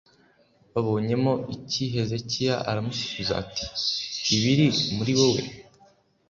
babonyemo iki Hezekiya aramusubiza ati Ibiri muri wowe